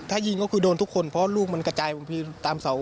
ถ้ายิงก็คือโดนทุกคนเพราะลูกมันกระจายลงไปตามเสา